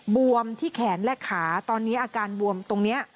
บวมที่แขนและขาตอนนี้อาการบวมตรงนี้